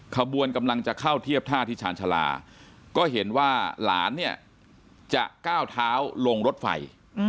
ขบวนกำลังจะเข้าเทียบท่าที่ชาญชาลาก็เห็นว่าหลานเนี่ยจะก้าวเท้าลงรถไฟ